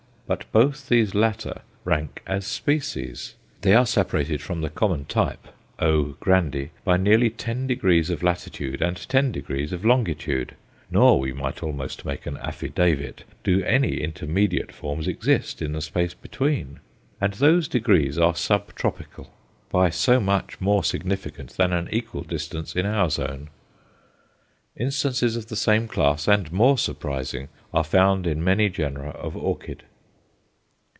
But both these latter rank as species. They are separated from the common type, O. grande, by nearly ten degrees of latitude and ten degrees of longitude, nor we might almost make an affidavit do any intermediate forms exist in the space between; and those degrees are sub tropical, by so much more significant than an equal distance in our zone. Instances of the same class and more surprising are found in many genera of orchid.